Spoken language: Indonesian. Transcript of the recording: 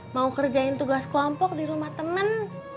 mau kerjain tugas kelompok di rumah teman